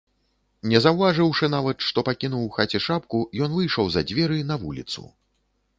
Не заўважыўшы нават, што пакінуў у хаце шапку, ён выйшаў за дзверы, на вуліцу.